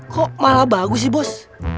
kok malah bagus sih bus